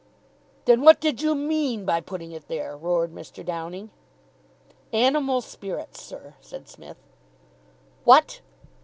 "Then what did you MEAN by putting it there?" roared Mr. Downing. "Animal spirits, sir," said Psmith. "WHAT!"